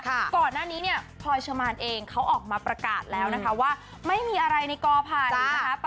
ก่อนหน้านี้เนี่ยพลอยเชอร์มานเองเขาออกมาประกาศแล้วนะคะว่าไม่มีอะไรในกอภัยนะคะ